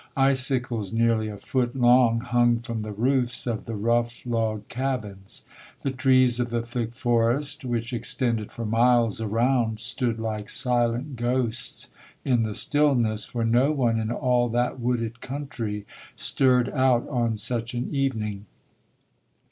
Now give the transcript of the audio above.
Icicles nearly a foot long hung from the roofs of the rough log cabins. The trees of the thick forest which extended for miles around stood like silent ghosts in the stillness, for no one in all that wooded country stirred out on such an evening.